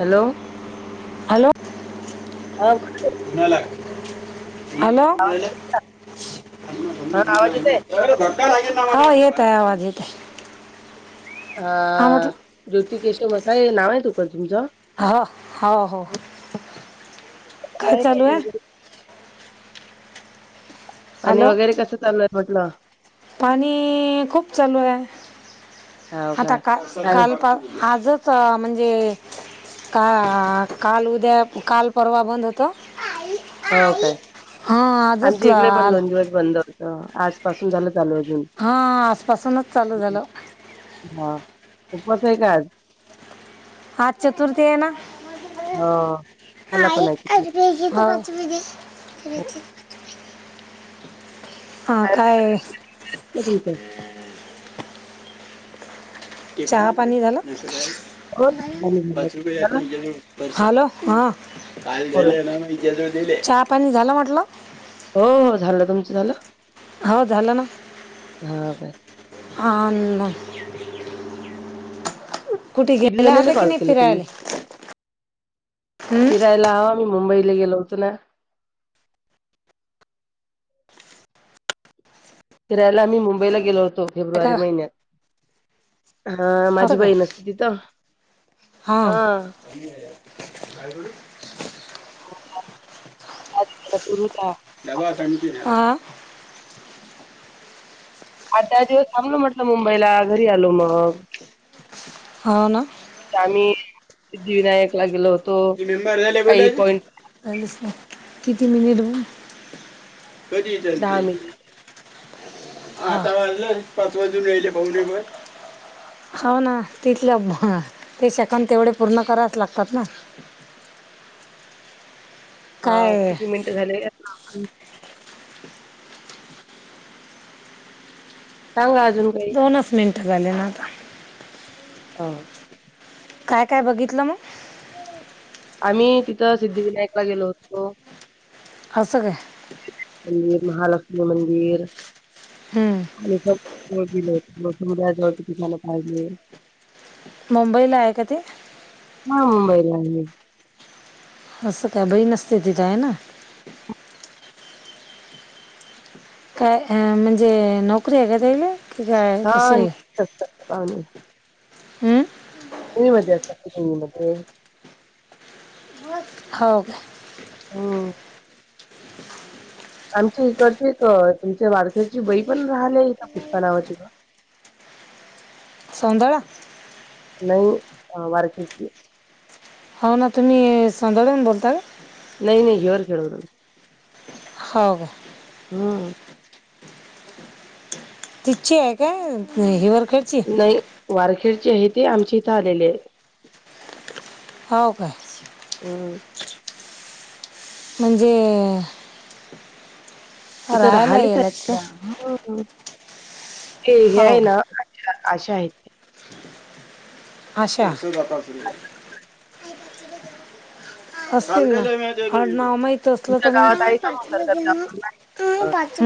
Hello hello [inaudible] कुणाला? Hello हा आवाज येतोय हा [inaudible] आता आवाज येतय. हा, ज्योती केेशव मसाई हे नाव आहे तू पण हा, हो, हो. काय? चालू आहे आणि वगैरे कसं चाललंय म्हटलं? पाणीऽऽ खूप चालू हाय. हाव आता का, काय काल, आजच, म्हणजे,, का काल उद्या, काल परवा बंद, हुतं. हो काय? आजच आमचे ल- इकडे पण आलं दोन दिवस बंद होत, आजपासून झालं चाल य आजून, हां आजपासूनच चालू झालं मगं उपास आहे काय आज? हा, चतुर्थी ये ना. हो मला पण आहे तिथे. [inaudible] हा काय वाटलं तुमचं चहा पाणी झालं? हो झालं झालं. झालं? हॅलो. हा, बोला चहा पाणी झालं म्हटलं? हो, हो, झालं. तुमचं झालं? हो झालं ना. हा बाई. अन, कुठे किती गेला जणीला होता कि कॉल नाही केले तुम्ही फिरायला? हम्म. मी मुंबईला गेलो होतो ना फिरायला आम्ही मुंबईला गेलो होतो, फेब्रुवारी का महिन्यात. हां, असं माझी काय बहीण असते तिथं. हां. [inaudible] हा. आठ, दहा दिवस थांबलो म्हटलं मुंबईला, घरी आलो मग. हो ना आम्ही सिद्धिविनायक ला गेलो हो [inaudible] किती मिनिट बोले? कधी येत्याल ते? मिनिट आता वाजलं, पाच वाजून रायले पाहुणेवर हो ना, तिथले ते सेकंद तेवढे पूर्ण करावच लागतात ना. [unintelligible] हा, काय किती मिनटं झाले? सांगा? अजून काही? दोनच मिनटं झााले ना आता. हा. काय काय बघितलं मग? आम्ही तिथं सिद्धिविनायकला गेलो होतो. कसं काय? मंदिर, महालक्ष्मी मंदिर. हम्म. ले ल्याजवळ तुम्हाला पायजे. मुंबईला आहे का ते? हां मुंबईला आहे. असं काय बहीण असते, तिथं आहे ना, काय अ म्हणजे नोकरी ह का तिला, की काय हां, कसय नक्कीच असतात आम् कुणी मधे असता तुम्ही मध्ये [unintelligible] हो का हो आमच्या इकडची एक तुमच्या वारक्याची बई पण राहिल्यायका पुष्पा नावाची का? [inaudible] सौंदळा नाही ओ वारक्याची हो ना तुम्ही संदबन बोलताय नाही नाही [unintelligible] हो का. हम् तिची आहे काय हिवर नाही वारखेडचे आहे ते आमचे इथे आलेले आहे. हो का. हम म्हणजे? इथ राहायला राहालेच आले येलात का त्या हम. ते हे हो आहे ना का आशा आहेत. आशा [unintelligible] अस ह नाव [unintelligible] आडनाव माहित तर तुमच्या गावात आहे का मग पाच सरकारी दवाखाना आहे का? पाच [unintelligible]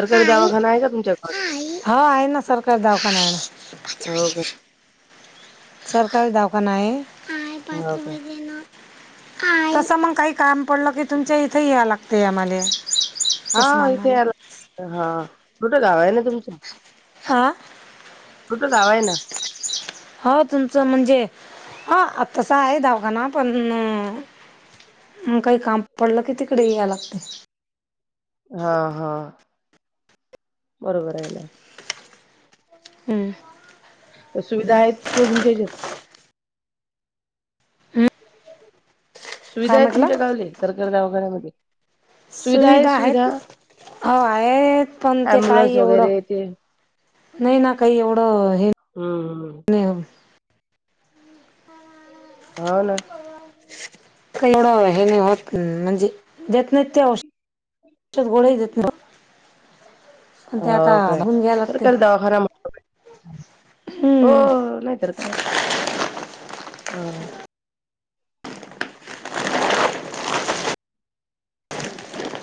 सरकारी दवाखाना आहे का तुमच्या गावात? हा आहे ना सरकार दवाखान्या हो का सरकारी दवाखाना आहे. हो काय? तस मग काही काम पडलं की तुमच्या इथे या लागते आम्हाले. हा इथे आला हा कुठं गाव आहे ना तुमचं हां कुठं गाव ये ना हो तुमचं म्हणजे ह तसं आहे दवाखाना पण मग काही काम पडलं की तिकडे याला लागते. हा हा बरोबर आहे ना. हम्म सुविधा आहेत म तुमच्या याच्यात हम्म. काय सुविधा आहेत म्हटलं तुमच्या गावले सरकारी दवाखान्या मध्ये सुविधा आहेत हो आहेत पण ते काय अम्ब्युलन्स एवढं वगैरे ते नाही ना काही एवढं हे हम्म हा ना का एवढं हे नाही होत म्हणजे देत नाहीत ते औषध, गोळ्या देत नाही. पण ते हो आता काय बघून घ्यायला लागते सरकारी दवाखाना हो हम्म नाही तर काय? हा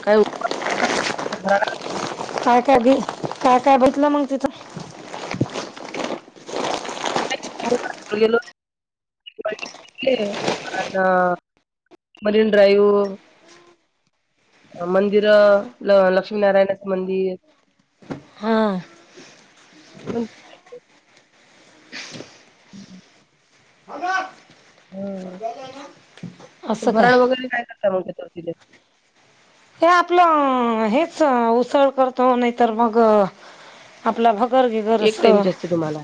काय [unintelligible] काय काय बी काय काय बसलं मंग तिथं गेलं [unintelligible] मरीन ड्राईव्ह मंदिर ल लक्ष्मीनारायणाचं मंदिर. हा म [unintelligible] हम् ह असं काय भरण वगैरे काय करता मग त्या तर तिथ. हे आपलं अं हेच उसळ करतो नाइतर मग आपला भक् गर्दी एक जरसं टाइमची असते तुम्हाला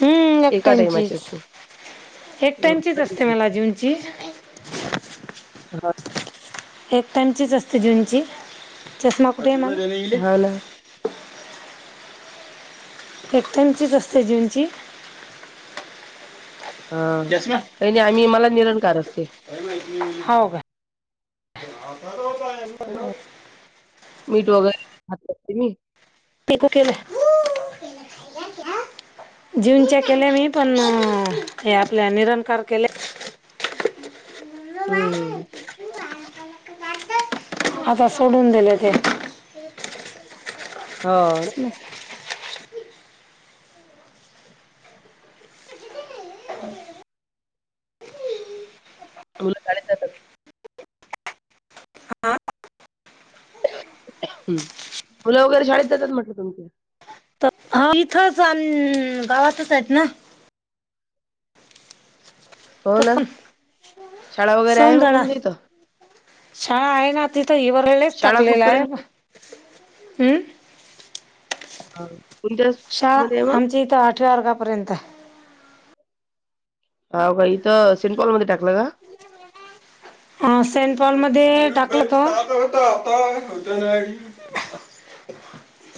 हम्म एका टाइमाची असते एकट्यांचीच एक टाइमचीच असते मला हम्म. जूनची. [unintelligible] एक टाइमचीच असते जूंची चष्मा कुठे म? हा ना एकटाइमचीच असते जूंची. हां काईनाई आम्ही मला निरंकार असते. हौ का? ह मीठ वगैरे घालतात कीनी? तेका केलं? [unintelligible] जूंच्या केल्या मी पण अ हे आपल्या निरंकार केल्या. हम्म. आता सोडून दिल्या ते. हो. मुलं शाळेत जातात? मुलं वगैरे शाळेत जातात म्हंटलं तुमची. हं इथंच अं गावातचायतना. तो होना पण शाळा वगैरे आहे मग सौंदळा तुमच्या इथ? शाळा आहे ना तिथं इवरलेलेच शाळा टाकलेलाय हाय कुठपर्यंत आहे? हं. हा. शाळा हामच्या इथं आठव्या वर्गापर्यंताय. हां ओका इथं सेंटपॉल मध्ये टाकलं का? हां सेंटपॉल मध्ये टाकलंत.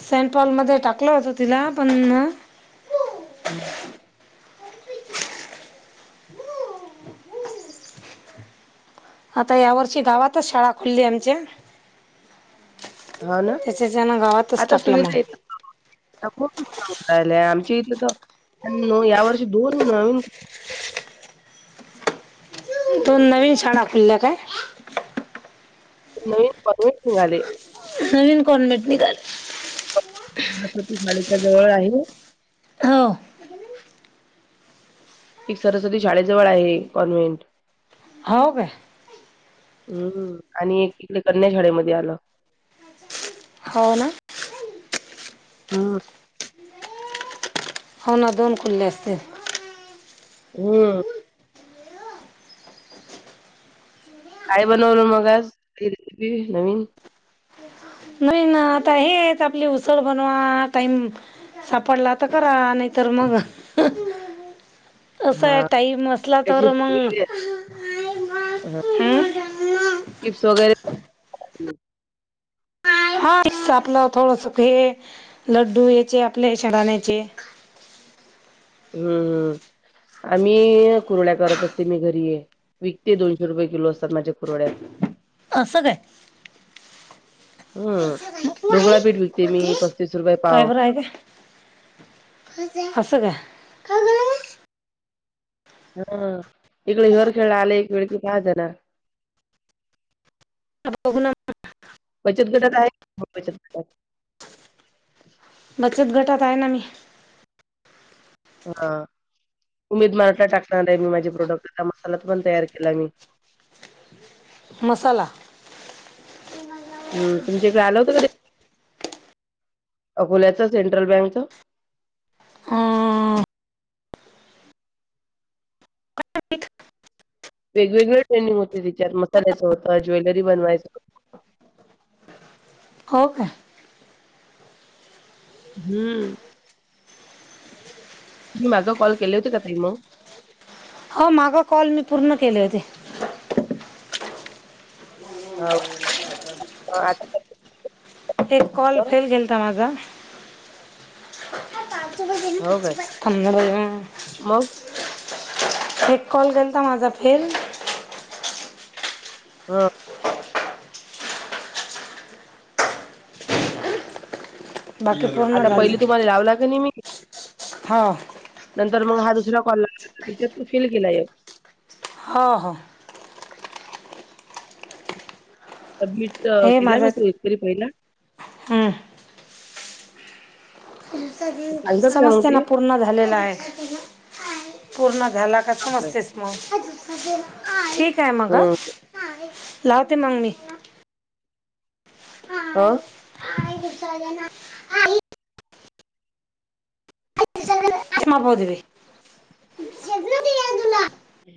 सेंट्रॉल मध्ये टाकलं होत तिला पनना लोन आता यावर्षी गावातच शाळा खुल्ली आमच्या. हांना त्याच्याच्यानं गावातच आता टाकलं सुविधा मग येत [inaudible] कायलय आमची इतत अनो या वर्षी दोन नवीन. दोन नवीन शाळा खुल्ल्या काय? नवीन पर्मिट निघाले. नवीन कॉर्नेट निघाले. [unintelligible] सरस्वती शाडेच्या जवळ आहे. होऔ. एक सरस्वती शाळेजवळ आहे कॉन्व्हेंट. हौ काय? अं हं आणि एक इकडं कन्या शाडेमध्ये आलं. हो ना? हं. हो ना दोन खुल्ल्या असत्यात. हं काय बनवलं मग आज कुट्ली रीसिपी नवीन? न्हैना आता हेच आपली उसळ बनवाआ टाईम सापडला तर करा नाईतर मग हम्म. हां असला [unintelligible] तर मग अंह हम्म चिप्स वगैरे. हां इतकी आपल थोडंस ते लड्डू हेचे आपले शेंगाण्याचे. हम्म हम्म आमीइ कुर्ड्या करत असते मी घरी. विकते दोनशे रुपये किलो असतात माझ्या कुरोड्या. असं काय? हम्म ढोकळापीठ विकते मी पस्तीस रुपे पाव. अस काय. हा इकडे हर खेळ आले एक वेळ कि पाहा जण आघण [unintelligible] बचत गटात आहे बचत गटात बचत गटात आहे ना मी. हा. उमेद मार्ट ला टाकणार आहे मी माझे प्रोडक्ट आता मसाला तर पण तयार केला मी [inaudible] मसाला. हम् तुमच्याकडे आलं होतं का ते, अकोल्याच सेंट्रल बँकच अं, वेगवेगळे ट्रेनिंग होते तिच्यात मसाल्यायचं होतं ज्वेलरी बनवायचं. [inaudible] हो का. हम्म. तुम्ही माग कॉल केले होते का तई मग अ माग कॉल मी पूर्ण केले होते. ह आता. एक कॉल झालं? फेल गेलता माझा. हो काय? कंदड मग? [unintelligible] एक कॉल गेलता माझा फेल हा. बाकी पूर्ण आता झालं पहिली तुम्हाला लावला क नाही मी हो नंतर मग हा दुसरा कॉल लावला टेचात तू फेल गेला एक हा. हा. सबमिट हे केला माझं मी तू एकतरी पहिला. हं. सांगतात का मग समजते ना ते? पूर्ण झालेला आहे पूर्ण. बापरे! सम मग ठीक आहे मग हं. लावते मग मी आा, त [unintelligible]